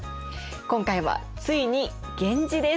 今回はついに源氏です。